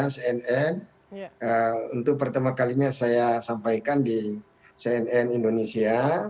cnn untuk pertama kalinya saya sampaikan di cnn indonesia